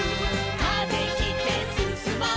「風切ってすすもう」